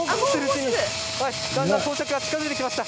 だんだん到着が近づいてきました。